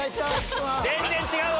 全然違う！